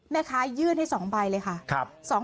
แม่ค้ายื่นให้๒ใบเลยค่ะ